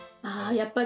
やっぱり